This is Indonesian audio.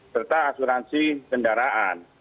serta asuransi kendaraan